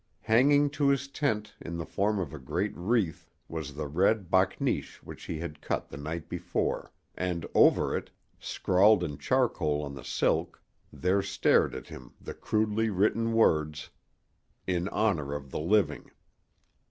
Hanging to his tent in the form of a great wreath was the red bakneesh which he had cut the night before, and over it, scrawled in charcoal on the silk, there stared at him the crudely written words: "In honor of the living."